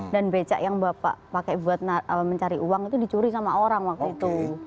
dan beca yang bapak pakai buat mencari uang itu dicuri sama orang waktu itu